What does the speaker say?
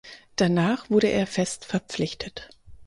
Danach wurde er fest verpflichtet.